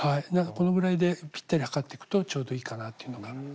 このぐらいでぴったり測ってくとちょうどいいかなというのが。